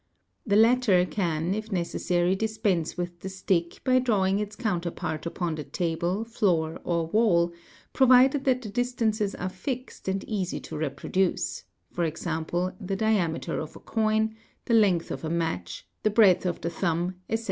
The latter can if necessary dispense with the stick by drawing its counterpart upon the table, floor, or wall, provided that the distances are fixed and easy to re : produce, e.g., the diameter of a coin, the length of a match, the breadth of the thumb, etc.